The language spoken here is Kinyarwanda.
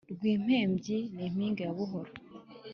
rwimpembyi ni mpinga ya buhoro